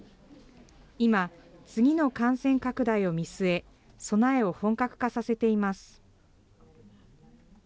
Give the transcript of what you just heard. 今、次の感染拡大を見据え、備えを本格化させています。